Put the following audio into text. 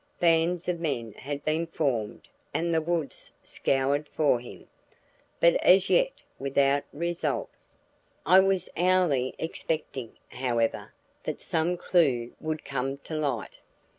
Bands of men had been formed and the woods scoured for him, but as yet without result. I was hourly expecting, however, that some clue would come to light.